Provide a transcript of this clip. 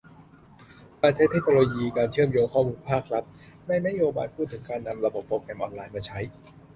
การใช้เทคโนโลยี การเชื่อมโยงข้อมูลภาครัฐ ในนโยบายพูดถึง การนำระบบโปรแกรมออนไลน์มาใช้